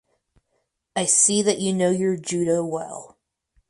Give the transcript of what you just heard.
I see that you know your Judo well.